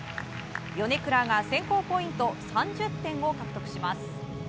米倉が選考ポイント３０点を獲得します。